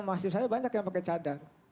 mahasiswa saya banyak yang pakai cadar